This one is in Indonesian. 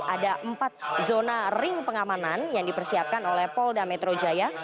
ada empat zona ring pengamanan yang dipersiapkan oleh polda metro jaya